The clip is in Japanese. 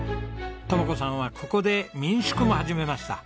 智子さんはここで民宿も始めました。